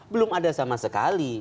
belum ada sama sekali